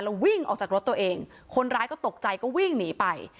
แล้ววิ่งออกจากรถตัวเองคนร้ายก็ตกใจก็วิ่งหนีไป